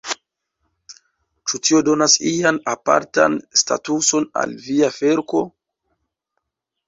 Ĉu tio donas ian apartan statuson al via verko?